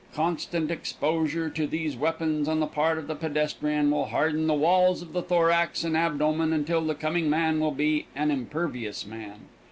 Constant exposure to these weapons on the part of the pedestrian will harden the walls of the thorax and abdomen until the coming man will be an impervious man.